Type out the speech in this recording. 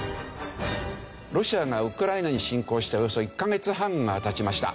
ロシアがウクライナに侵攻しておよそ１カ月半が経ちました。